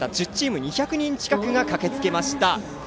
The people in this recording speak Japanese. ２００人近くが駆けつけました。